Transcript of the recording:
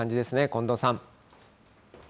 近藤さん。